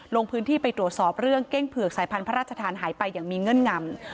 ลงพื้นที่ไปตรวจสอบเรื่องเก้งเผือกสายพันธุ์พระราชทานหายไปอย่างมีเงื่อนงำ